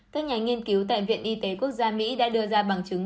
các nhà nghiên cứu tại viện y tế quốc gia mỹ đã đưa ra bằng chứng